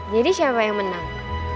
jadi siapa yang menang